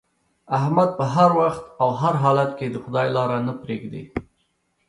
احمد په هر وخت او هر حالت کې د خدای لاره نه پرېږدي.